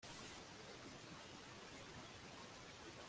intumwa mwoherereje igihugu cyacu